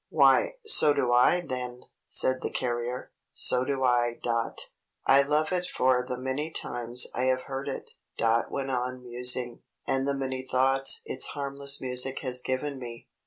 "Why, so do I, then," said the carrier, "so do I, Dot." "I love it for the many times I have heard it," Dot went on musing, "and the many thoughts its harmless music has given me.